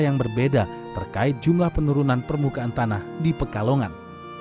yang berbeda terkait jumlah penurunan permukaan tanah di pekalongan